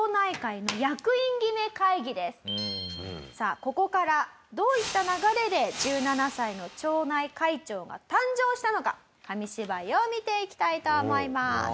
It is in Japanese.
さあここからどういった流れで１７歳の町内会長が誕生したのか紙芝居を見ていきたいと思います。